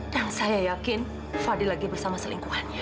dan saya yakin fadil lagi bersama selingkuhannya